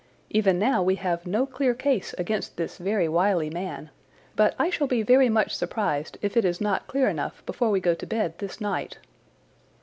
Even now we have no clear case against this very wily man. But I shall be very much surprised if it is not clear enough before we go to bed this night."